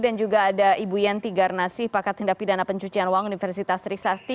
dan juga ada ibu yanti garnasih pakat tindak pidana pencucian uang universitas terik sakti